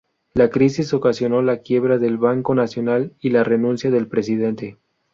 La crisis ocasionó la quiebra del Banco Nacional y la renuncia del Presidente.